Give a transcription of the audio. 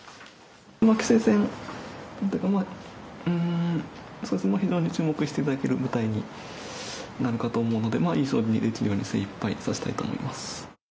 棋聖戦、うーん、そうですね、非常に注目していただける舞台になるかと思うので、いい将棋にできるように精いっぱい指したいと思います。